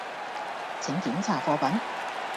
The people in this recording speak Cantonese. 請檢查貨品